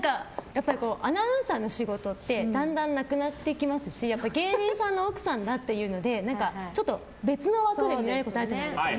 アナウンサーの仕事ってだんだんなくなってきますし芸人さんの奥さんだっていうのでちょっと別の枠で見られることあるじゃないですか。